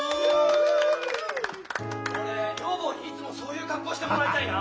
俺女房にいつもそういう格好してもらいたいな。